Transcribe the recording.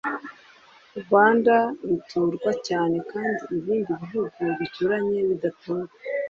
rwanda ruturwa cyane, kandi ibindi bihugu duturanye bidatuwe